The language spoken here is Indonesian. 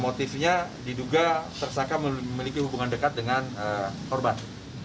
motifnya diduga tersangka memiliki hubungan dekat dengan korban